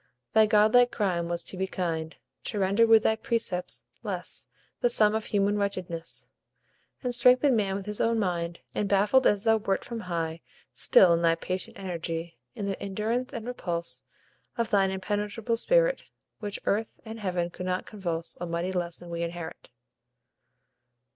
"Thy godlike crime was to be kind; To render with thy precepts less The sum of human wretchedness, And strengthen man with his own mind. And, baffled as thou wert from high, Still, in thy patient energy In the endurance and repulse Of thine impenetrable spirit, Which earth and heaven could not convulse, A mighty lesson we inherit."